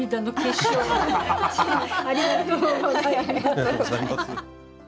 ありがとうございます。